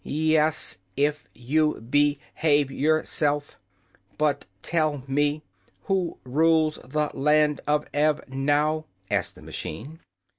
"Yes; if you be have your self. But tell me: who rules the Land of Ev now?" asked the machine.